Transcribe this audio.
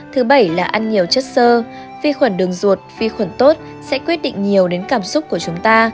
thứ bảy là ăn nhiều chất sơ vi khuẩn đường ruột vi khuẩn tốt sẽ quyết định nhiều đến cảm xúc của chúng ta